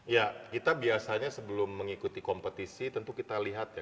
ya kita biasanya sebelum mengikuti kompetisi tentu kita lihat ya